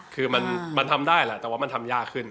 คือมันทำได้แหละแต่ว่ามันทำยากขึ้น